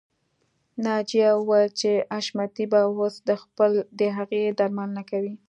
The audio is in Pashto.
ناجیه وویل چې حشمتي به اوس د هغې درملنه کوي